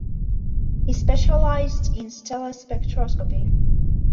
He specialized in stellar spectroscopy.